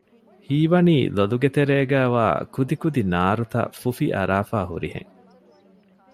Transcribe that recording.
ހީވަނީ ލޮލުގެ ތެރޭގައިވާ ކުދިކުދި ނާރުތަށް ފުފި އަރާފައި ހުރިހެން